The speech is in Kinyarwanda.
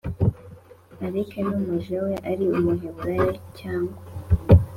Areke n umuja we ari umuheburayo cyangwa